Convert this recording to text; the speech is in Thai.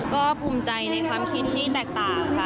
ก็ภูมิใจในความคิดที่แตกต่างค่ะ